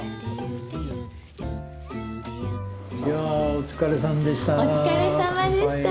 いやお疲れさんでした。